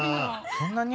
そんなに？